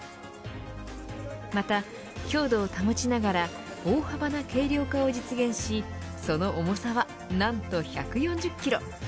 また、強度を保ちながら大幅な軽量化を実現しその重さは何と１４０キロ。